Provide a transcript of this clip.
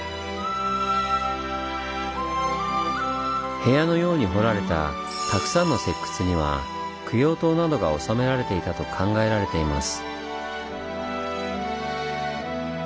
部屋のように掘られたたくさんの石窟には供養塔などが納められていたと考えられています。